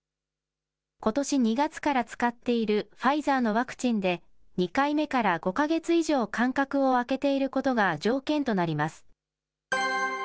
ことし２月から使っているファイザーのワクチンで、２回目から５か月以上間隔をあけていることが条件となります。